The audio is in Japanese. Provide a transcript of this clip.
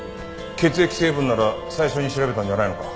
血液成分なら最初に調べたんじゃないのか？